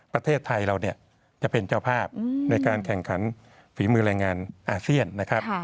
ประเทศไทยเราเนี่ยจะเป็นเจ้าภาพในการแข่งขันฝีมือแรงงานอาเซียนนะครับ